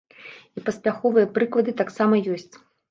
І паспяховыя прыклады таксама ёсць.